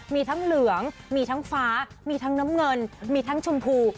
มีทั้งเหลืองมีทั้งฟ้ามีทั้งน้ำเงินมีทั้งชมพู